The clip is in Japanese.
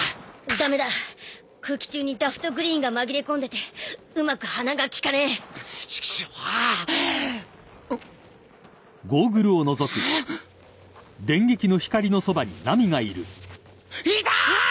ダメだ空気中にダフトグリーンが紛れ込んでてうまく鼻が利かねえチキショウんっいたーっ！